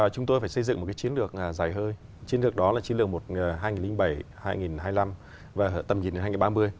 chúng tôi phải xây dựng một chiến lược dài hơi chiến lược đó là chiến lược hai nghìn bảy hai nghìn hai mươi năm và tầm nhìn đến hai nghìn ba mươi